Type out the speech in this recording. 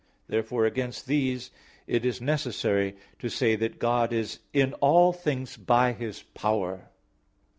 Therefore against these it is necessary to say that God is in all things by His power.